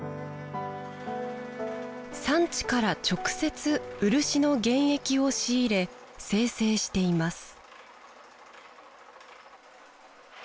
産地から直接漆の原液を仕入れ精製しています